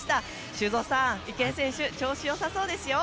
修造さん、池江さん調子良さそうですよ。